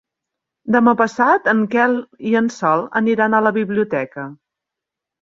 Demà passat en Quel i en Sol aniran a la biblioteca.